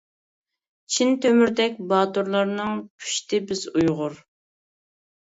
چىن تۆمۈردەك باتۇرلارنىڭ پۇشتى بىز ئۇيغۇر.